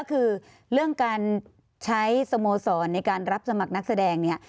คือเรื่องการใช้สโมสรในการรับสมัครนักแสดงเนี่ย